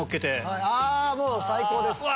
もう最高です！